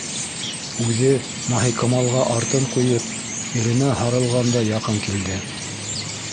Үҙе Маһикамалға артын ҡуйып, иренә һарылғандай яҡын килде.